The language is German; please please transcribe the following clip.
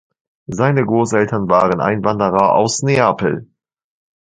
Seine Großeltern waren Einwanderer aus Neapel.